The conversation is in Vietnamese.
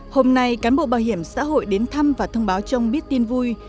hôm nay cán bộ bảo hiểm xã hội đến thăm và thông báo cho ông biết tin vui